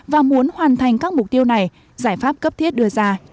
và muốn hoàn thành các mục tiêu này giải pháp cấp thiết đưa ra